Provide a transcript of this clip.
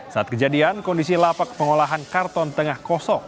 saat kejadian kondisi lapak pengolahan karton tengah kosong